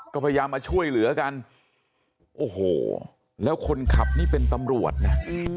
ก็พยายามมาช่วยเหลือกันโอ้โหแล้วคนขับนี่เป็นตำรวจนะ